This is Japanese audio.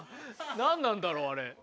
何なんだろうあれ。